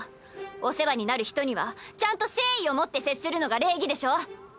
お世話になる人にはちゃんと誠意を持って接するのが礼儀でしょ。